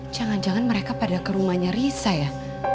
jangan jangan mereka pada ke rumahnya risa ya